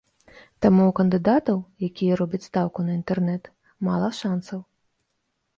Таму ў кандыдатаў, якія робяць стаўку на інтэрнэт, мала шанцаў.